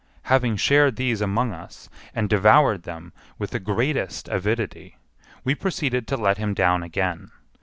Having shared these among us, and devoured them with the greatest avidity, we proceeded to let him down again.